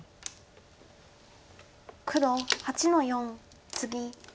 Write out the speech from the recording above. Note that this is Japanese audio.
黒８の四ツギ。